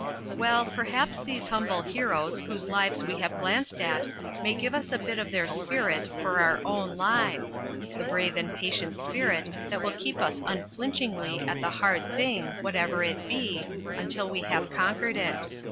Well, perhaps these humble heroes whose lives we have glanced at may give us a bit of their spirit for our own lives, the brave and patient spirit that will keep us unflinchingly at the hard thing, whatever it be, until we have conquered it.